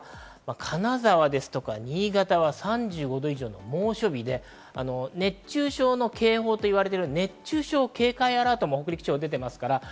金沢、新潟は３５度以上の猛暑日で熱中症の警報といわれる熱中症警戒アラートも北陸地方に出ています。